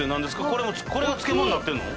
これが漬物になってるの？